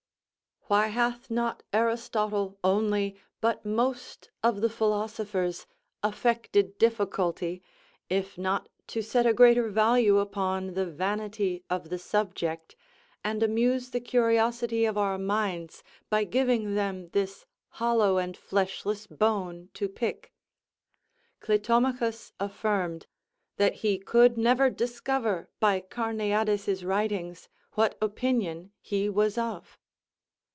Why hath not Aristotle only, but most of the philosophers, affected difficulty, if not to set a greater value upon the vanity of the subject, and amuse the curiosity of our minds by giving them this hollow and fleshless bone to pick? Clitomachus affirmed "That he could never discover by Carneades's writings what opinion he was of."